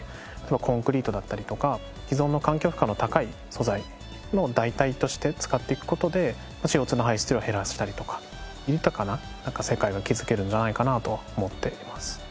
コンクリートだったりとか既存の環境負荷の高い素材の代替として使っていく事でＣＯ２の排出量を減らしたりとか豊かな世界が築けるんじゃないかなと思っています。